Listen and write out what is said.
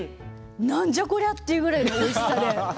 何じゃこりゃ！というぐらいのおいしさで。